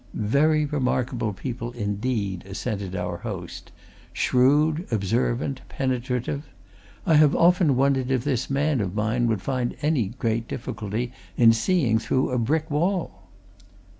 "Very remarkable people, indeed," assented our host. "Shrewd, observant, penetrative. I have often wondered if this man of mine would find any great difficulty in seeing through a brick wall!"